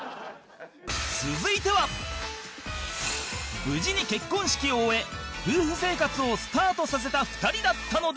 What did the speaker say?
続いては無事に結婚式を終え夫婦生活をスタートさせた２人だったのですが